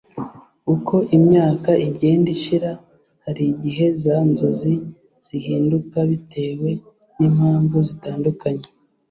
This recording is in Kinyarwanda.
uko imyaka igenda ishira hari igihe za nzozi zihinduka bitewe n’impamvu zitandukanye